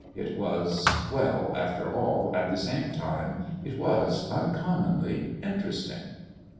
It was well, after all, at the same time, it was uncommonly interesting.